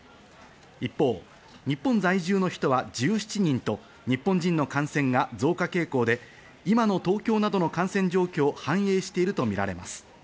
一方、日本在住の人は１７人と日本人の感染が増加傾向で、今の東京などの感染状況を反映しているとみられます。